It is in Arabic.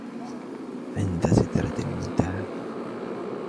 عِندَ سِدْرَةِ الْمُنتَهَى